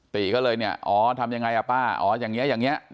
ติก็เลยเนี่ยอ๋อทำยังไงอ่ะป้าอ๋ออย่างนี้อย่างนี้